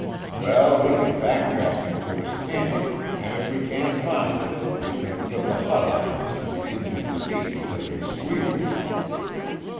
"Well, we kin back track him to his camp, an' if we can't find it we kin put the hot irons to the Injun's feet till he squeals."